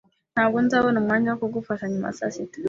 Ntabwo nzabona umwanya wo kugufasha nyuma ya saa sita.